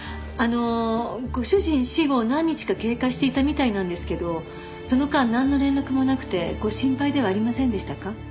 あのご主人死後何日か経過していたみたいなんですけどその間なんの連絡もなくてご心配ではありませんでしたか？